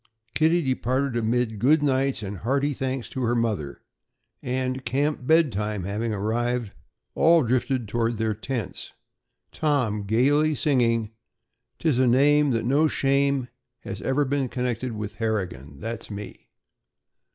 Kitty departed amid "Good nights" and hearty thanks to her mother, and, camp bed time having arrived, all drifted toward their tents, Tom gaily singing: "'Tis a name That no shame Has iver been connected with Harrigan! That's me."